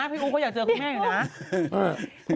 พี่บุ๊กก็อยากเจอคุณแม่อยู่นะ